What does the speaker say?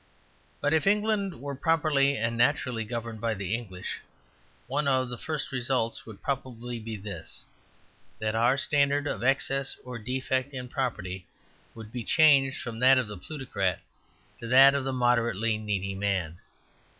But if England were properly and naturally governed by the English, one of the first results would probably be this: that our standard of excess or defect in property would be changed from that of the plutocrat to that of the moderately needy man.